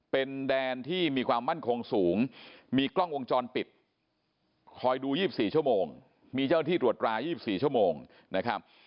เป็นแดนที่มีความมั่นคงสูงมีกล้องวงจรปิดคอยดู๒๔ชั่วโมงมีเจ้าหน้าที่ตรวจราย๒๔ชั่วโมงนะครับ